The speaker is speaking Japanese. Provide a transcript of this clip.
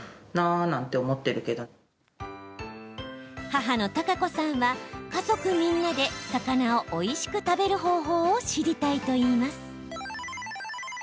母の貴子さんは家族みんなで魚をおいしく食べる方法を知りたいといいます。